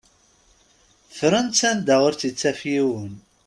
Fren-tt anda ur tt-ittaf yiwen.